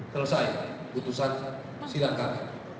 selesai kutusan sidang kkip